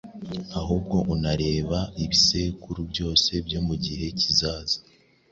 ahubwo unareba ibisekuru byose byo mu gihe kizaza.